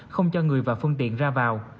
không cho người và phương tiện ra vào